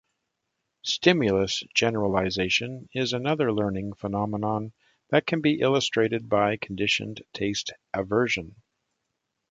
Stimulus generalization is another learning phenomenon that can be illustrated by conditioned taste aversion.